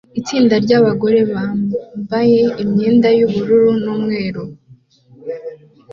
Itsinda ry'abagore bambaye imyenda y'ubururu n'umweru